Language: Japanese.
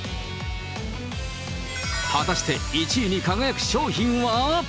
果たして、１位に輝く商品は？